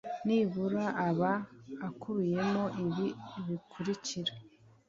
nibura aba akubiyemo ibi bikurikira